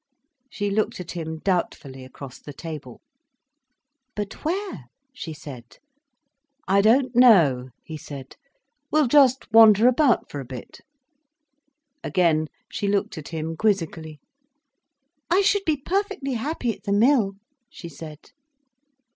She looked at him doubtfully across the table. "But where?" she said. "I don't know," he said. "We'll just wander about for a bit." Again she looked at him quizzically. "I should be perfectly happy at the Mill," she said.